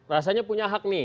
rasanya punya hak nih